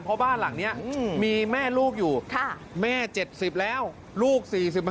เพราะบ้านหลังนี้มีแม่ลูกอยู่แม่๗๐แล้วลูก๔๕